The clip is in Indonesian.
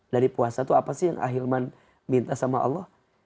dari puasa tuh apa sih yang ahilman minta sama allah